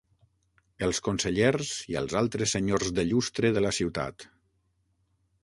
Els consellers i els altres senyors de llustre de la ciutat...